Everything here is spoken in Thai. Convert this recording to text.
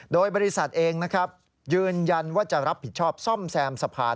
โดยบริษัทเองนะครับยืนยันว่าจะรับผิดชอบซ่อมแซมสะพาน